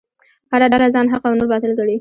هره ډله ځان حق او نور باطل ګڼي.